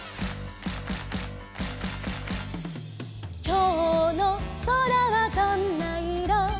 「きょうのそらはどんないろ？」